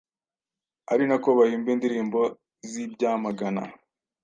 ari nako bahimba indirimbo zibyamagana